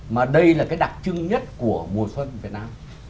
mà đây là cái đặc trưng nhất của mùa xuân việt nam